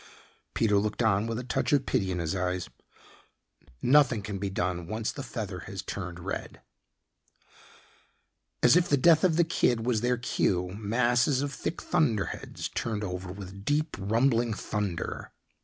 Peter looked on with a touch of pity in his eyes, "Nothing can be done once the feather has turned red." As if the death of the kid was their cue, masses of thick thunderheads turned over with a deep rumbling thunder.